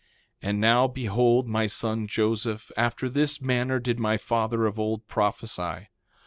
3:22 And now, behold, my son Joseph, after this manner did my father of old prophesy.